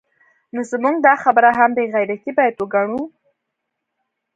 نو زموږ دا خبره هم بې غیرتي باید وګڼو